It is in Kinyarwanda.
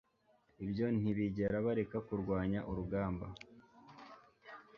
Ibyo ntibigera bareka kurwanya urugamba